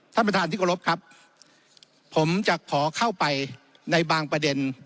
ท่านประธานที่กรบครับผมจะขอเข้าไปในบางประเด็น